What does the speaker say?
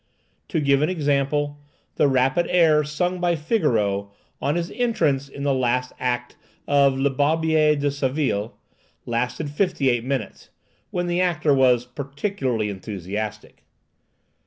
To give an example, the rapid air sung by Figaro, on his entrance in the first act of "Le Barbiér de Séville," lasted fifty eight minutes—when the actor was particularly enthusiastic.